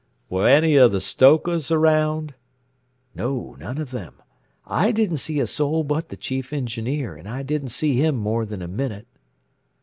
"Were any of the stokers around?" "No none of them. I didn't see a soul but the Chief Engineer, and I didn't see him more than a minute."